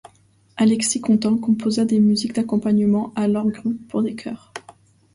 Alexis Contant composa des musiques d'accompagnement à l'orgue pour chœurs.